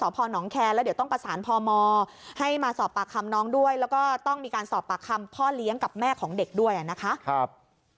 พอน้องแคร์แล้วเดี๋ยวต้องประสานพมให้มาสอบปากคำน้องด้วยแล้วก็ต้องมีการสอบปากคำพ่อเลี้ยงกับแม่ของเด็กด้วยนะคะ